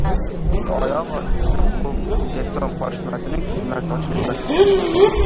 oyoq ostida qum, beton qorishmasining kukunlari sochilib yotgan